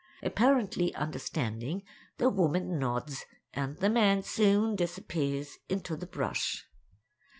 Apparently understanding the woman nods and the man soon disappears into the brush.